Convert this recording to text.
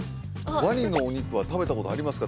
ワニのお肉は食べたことありますか？